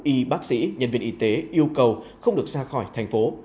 y bác sĩ nhân viên y tế yêu cầu không được ra khỏi thành phố